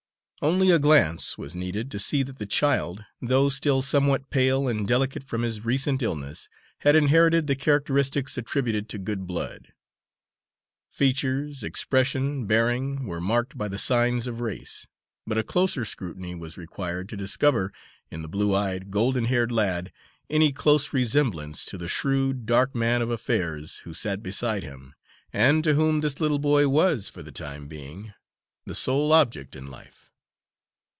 Only a glance was needed to see that the child, though still somewhat pale and delicate from his recent illness, had inherited the characteristics attributed to good blood. Features, expression, bearing, were marked by the signs of race; but a closer scrutiny was required to discover, in the blue eyed, golden haired lad, any close resemblance to the shrewd, dark man of affairs who sat beside him, and to whom this little boy was, for the time being, the sole object in life.